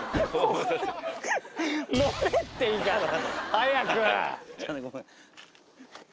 早く！